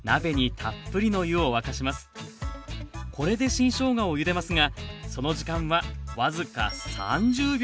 これで新しょうがをゆでますがその時間は僅か３０秒！